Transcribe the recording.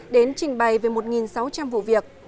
đến trình bày về một sáu trăm linh vụ việc